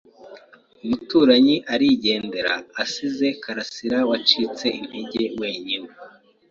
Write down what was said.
Umuturanyi arigendera asize Karasirawacitse intege wenyine.